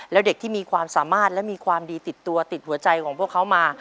แล้วเด็กที่มีความสามารถและมีความดีติดตัวติดหัวใจของพวกเขามา